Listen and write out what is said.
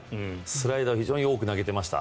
スライダーを非常に多く投げていました。